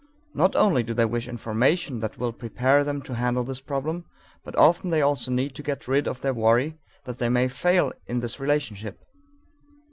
Not only do they wish information that will prepare them to handle this problem, but often they also need to get rid of their worry that they may fail in this relationship.